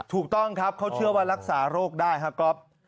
ถูกต้องครับเขาเชื่อว่ารักษาโรคได้ครับก๊อฟ